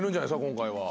今回は。